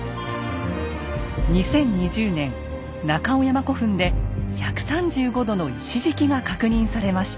２０２０年中尾山古墳で１３５度の石敷きが確認されました。